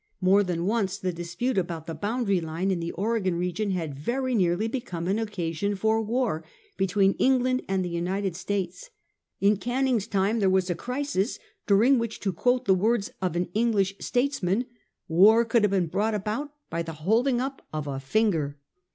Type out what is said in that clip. More than once the dispute about the boundary line in the Oregon region had very nearly become an occasion for war between England and the United States. In Can ning's time there was a crisis during which, to quote the words of an English statesman, war could have been brought about by the holding up of a finger.